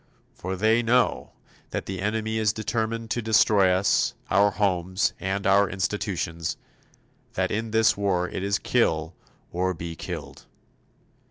For they know that the enemy is determined to destroy us, our homes and our institutions that in this war it is kill or be killed.